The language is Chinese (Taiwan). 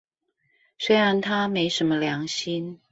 雖然他沒什麼良心